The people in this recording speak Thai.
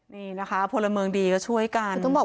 นี่แหละกันพอละเมืองดีช่วยกัน